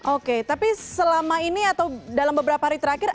oke tapi selama ini atau dalam beberapa hari terakhir